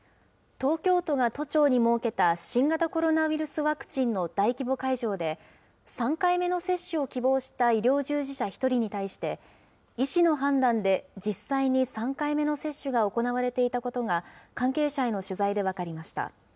東京都が都庁に設けた新型コロナウイルスワクチンの大規模会場で、３回目の接種を希望した医療従事者１人に対して、医師の判断で実際に３回目の接種が行われていたことが、関係者への取材で分かりました。